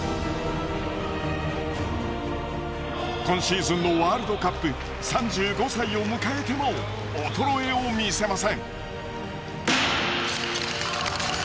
今シーズンのワールドカップ３５歳を迎えても衰えを見せません。